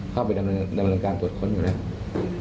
เข้าไปดำเนินการตรวจค้นอยู่แล้ว